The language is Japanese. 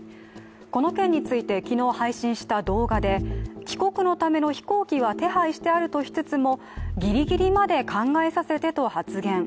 この件について、昨日配信した動画で帰国のための飛行機は手配してあるとしつつも「ギリギリまで考えさせて」と発言。